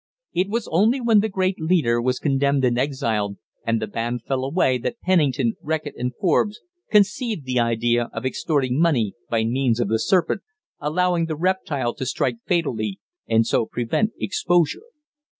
It was only when the great leader was condemned and exiled, and the band fell away, that Pennington, Reckitt and Forbes conceived the idea of extorting money by means of the serpent, allowing the reptile to strike fatally, and so prevent exposure.